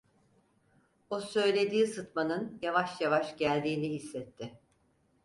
O söylediği sıtmanın yavaş yavaş geldiğini hissetti.